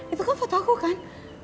itu kan foto aku kan